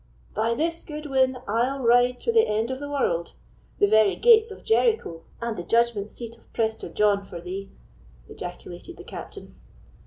"By this good win, I'll ride to the end of the world—the very gates of Jericho, and the judgment seat of Prester John, for thee!" ejaculated the Captain.